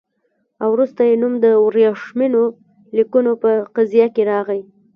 او وروسته یې نوم د ورېښمینو لیکونو په قضیه کې راغی.